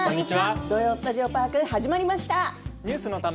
「土曜スタジオパーク」始まりました。